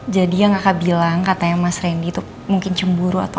jadi yang kakak bilang kata yang mas randy tuh mungkin cemburu atau